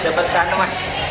cepat tanuh mas